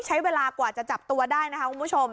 ใช้เวลากว่าจะจับตัวได้นะคะคุณผู้ชม